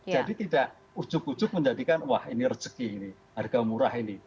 jadi tidak ujuk ujuk menjadikan wah ini rezeki ini harga murah ini